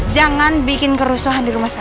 jangan bikin kerusuhan di rumah sakit